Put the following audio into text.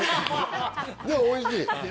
でも、おいしい。